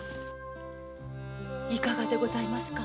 いかがでございますか？